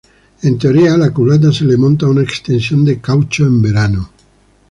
En teoría, a la culata se le monta una extensión de caucho en verano.